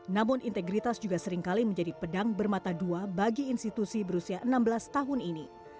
namun integritas juga seringkali menjadi pedang bermata dua bagi institusi berusia enam belas tahun ini